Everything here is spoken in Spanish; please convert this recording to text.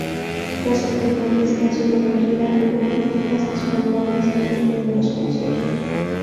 Tras el primer descanso de la gira, hubo críticas desfavorables en los primeros conciertos.